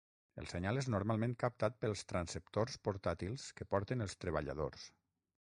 El senyal és normalment captat pels transceptors portàtils que porten els treballadors.